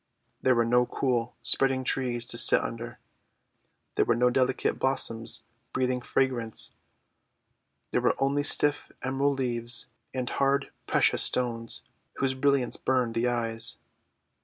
There were no cool, spreading trees to sit under. There were no delicate blossoms breathing fra grance. There were only stiff emerald leaves and hard precious stones, whose brilliance burned the eyes.